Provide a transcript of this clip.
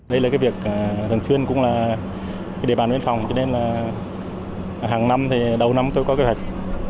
đây là cái việc thường xuyên cũng là cái địa bàn biên phòng cho nên là hàng năm thì đầu năm tôi có kế hoạch